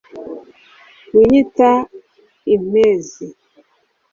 winyita impezi